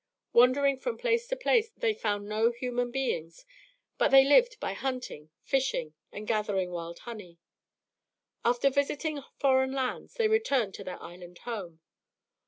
Wandering from place to place, they found no human beings; but they lived by hunting, fishing, and gathering wild honey. After visiting foreign lands, they returned to their island home.